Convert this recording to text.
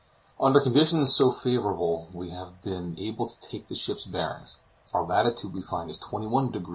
Under conditions so favorable, we have been able to take the ship's bearings: our latitude, we find, is 21 deg.